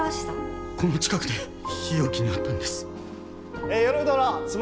この近くで日置に会ったんです。